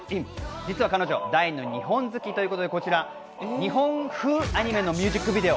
実は彼女、大の日本好きということで、日本風アニメのミュージックビデオ。